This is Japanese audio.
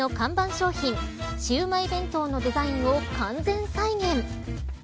商品シウマイ弁当のデザインを完全再現。